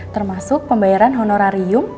termasuk pembayaran honorarium